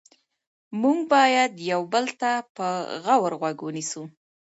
موږ باید یو بل ته په غور غوږ ونیسو